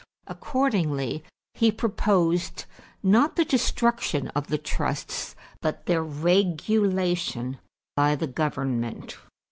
Accordingly, he proposed, not the destruction of the trusts, but their regulation by the government.